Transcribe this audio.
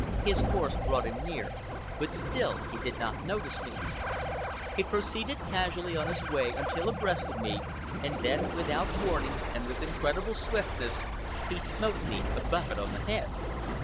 His course brought him near, but still he did not notice me. He proceeded casually on his way until abreast of me, and then, without warning and with incredible swiftness, he smote me a buffet on the head.